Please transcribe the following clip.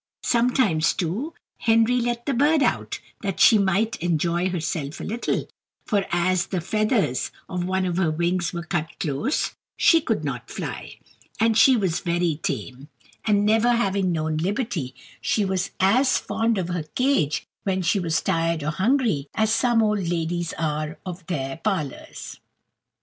Sometimes, too, Henry let the bird out, that she might enjoy herself a little, for as the feathers of one of her wings were cut close, she could not fly; and she was very tame, and never having known liberty, she was as fond of her cage, when she was tired or hungry, as some old ladies are of their parlours.